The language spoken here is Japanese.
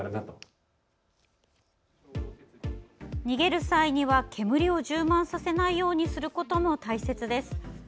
逃げる際には煙を充満させないようにすることも大切です。